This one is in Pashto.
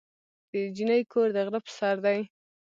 د جینۍ کور د غره په سر دی.